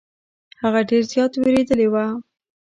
هغه ډير زيات ويرويدلې وه.